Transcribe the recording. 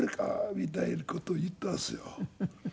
みたいな事言ったんですよ。